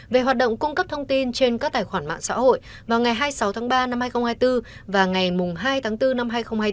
về hoạt động cung cấp thông tin trên các tài khoản mạng xã hội vào ngày hai mươi sáu tháng ba năm hai nghìn hai mươi bốn và ngày hai tháng bốn năm hai nghìn hai mươi bốn